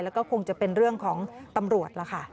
แล้วก็คงจะเป็นเรื่องของตำรวจล่ะค่ะ